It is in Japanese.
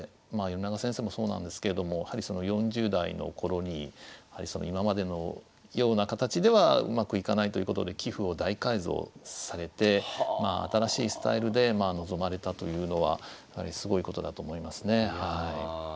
米長先生もそうなんですけれども４０代の頃に今までのような形ではうまくいかないということで棋風を大改造されて新しいスタイルで臨まれたというのはすごいことだと思いますねはい。